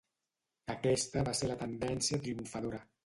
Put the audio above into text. Aquesta va ser la tendència triomfadora.